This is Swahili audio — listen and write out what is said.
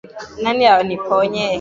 Nani aniponye?